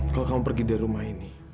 kalau kamu pergi dari rumah ini